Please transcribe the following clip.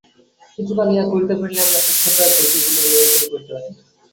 কিছুকাল ইহা করিতে পারিলেই আমরা সূক্ষ্মতর গতিগুলিও নিয়ন্ত্রিত করিতে পারিব।